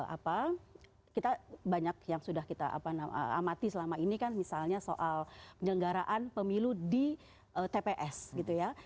apa kita banyak yang sudah kita amati selama ini kan misalnya soal penyelenggaraan pemilu di tps gitu ya